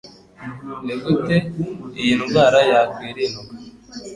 Ni gute iyi ndwara yakwirindwa?